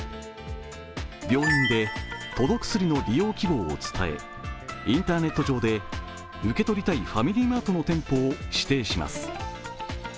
病院でとどくすりの利用希望を伝えインターネット上で、受け取りたいファミリーマートの店舗を指定します。